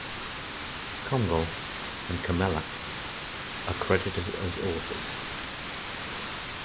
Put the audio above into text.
Comgall and Camelac are credited as authors.